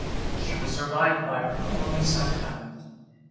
She was survived by her only son, Alan.